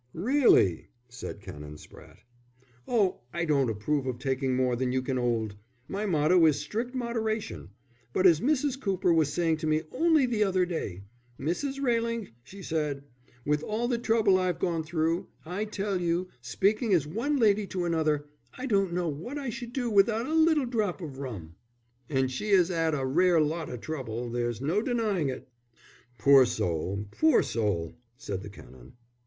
"Really!" said Canon Spratte. "Oh, I don't approve of taking more than you can 'old. My motto is strict moderation. But as Mrs. Cooper was saying to me only the other day: 'Mrs. Railing,' she said, 'with all the trouble I've gone through, I tell you, speaking as one lady to another, I don't know what I should do without a little drop of rum.' And she 'as 'ad a rare lot of trouble. There's no denying it." "Poor soul, poor soul!" said the Canon.